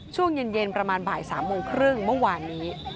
ช่วงเย็นประมาณบ่าย๓โมงครึ่งเมื่อวานนี้